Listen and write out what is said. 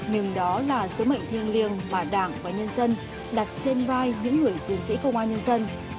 nhưng đó là sứ mệnh thiêng liêng mà đảng và nhân dân đặt trên vai những người chiến sĩ công an nhân dân